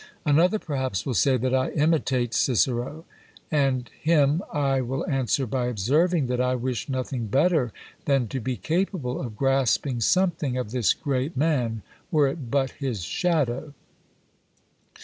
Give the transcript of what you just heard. Another perhaps will say that I imitate Cicero. And him I will answer by observing, that I wish nothing better than to be capable of grasping something of this great man, were it but his shadow!